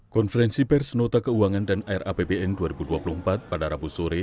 konferensi persenota keuangan dan rapbn dua ribu dua puluh empat pada rabu sore